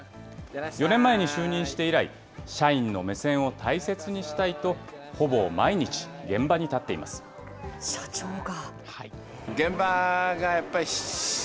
４年前に就任して以来、社員の目線を大切にしたいと、ほぼ毎日、社長が。